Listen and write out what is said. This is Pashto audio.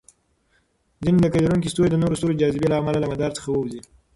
ځینې لکۍ لرونکي ستوري د نورو ستورو جاذبې له امله له مدار څخه ووځي.